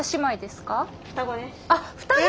あっ双子！